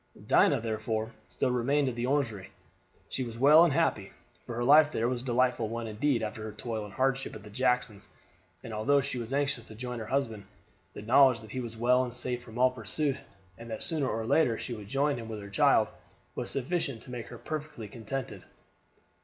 Dinah, therefore, still remained at the Orangery. She was well and happy, for her life there was a delightful one indeed after her toil and hardship at the Jackson's; and although she was anxious to join her husband, the knowledge that he was well and safe from all pursuit, and that sooner or later she would join him with her child, was sufficient to make her perfectly contented.